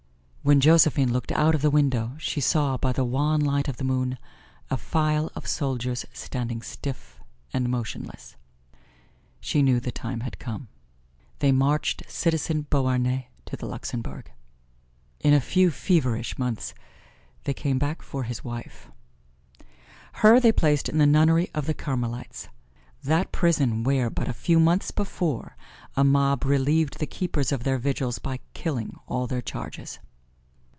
When Josephine looked out of the window, she saw by the wan light of the moon a file of soldiers standing stiff and motionless. She knew the time had come. They marched Citizen Beauharnais to the Luxembourg. In a few feverish months, they came back for his wife. Her they placed in the nunnery of the Carmelites that prison where, but a few months before, a mob relieved the keepers of their vigils by killing all their charges.